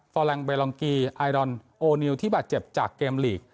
อลังเบลองกีไอดอนโอนิวที่บาดเจ็บจากเกมลีก